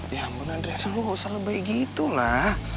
ya ampun andresa lo gak usah lebih baik gitu lah